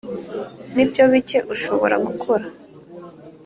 nibyo bike ushobora gukora